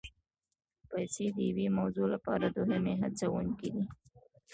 پیسې د یوې موضوع لپاره دوهمي هڅوونکي دي.